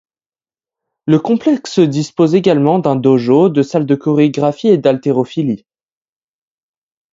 Le complexe dispose également d'un dojo, de salles de chorégraphie et d'haltérophilie.